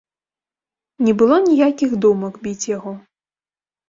Не было ніякіх думак, біць яго.